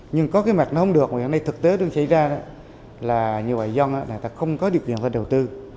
nhưng có cái mặt nó không được hiện nay thực tế đang xảy ra là nhiều loại dân không có điều kiện để đầu tư